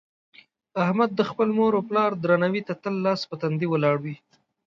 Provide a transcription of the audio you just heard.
احمد د خپل مور او پلار درناوي ته تل لاس په تندي ولاړ وي.